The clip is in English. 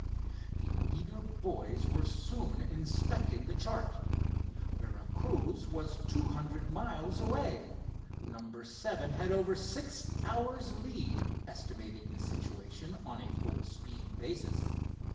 The eager boys were soon inspecting the chart. Vera Cruz was two hundred miles away. Number seven had over six hours' lead, estimating the situation on a full speed basis.